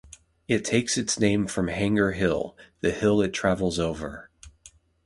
It takes its name from Hanger Hill, the hill it travels over.